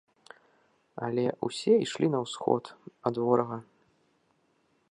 Але ўсе ішлі на ўсход, ад ворага.